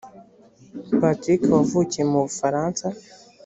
patrick wavukiye mu bufaransa